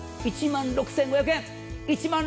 １万６５００円。